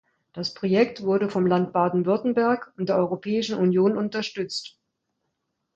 Das Projekt wurde vom Land Baden-Württemberg und der Europäischen Union unterstützt.